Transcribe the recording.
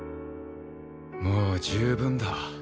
もう十分だ。